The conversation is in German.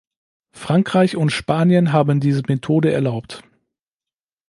Frankreich und Spanien haben diese Methode erlaubt.